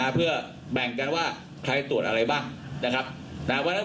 เพื่อแบ่งกันว่าใครตรวจอะไรบ้างนะครับ